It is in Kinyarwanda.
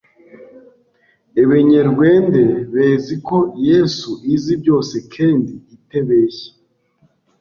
Ebenyerwende bezi ko Yesu izi byose kendi itebeshye